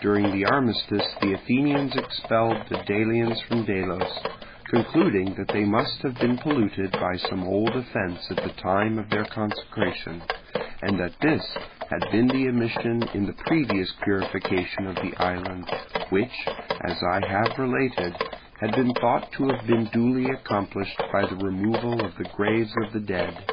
During the armistice the Athenians expelled the Delians from Delos, concluding that they must have been polluted by some old offence at the time of their consecration, and that this had been the omission in the previous purification of the island, which, as I have related, had been thought to have been duly accomplished by the removal of the graves of the dead.